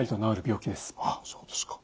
あっそうですか。